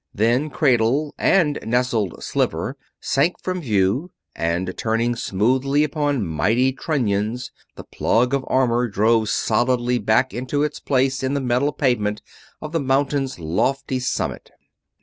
Then cradle and nestled Sliver sank from view and, turning smoothly upon mighty trunnions, the plug of armor drove solidly back into its place in the metal pavement of the mountain's lofty summit.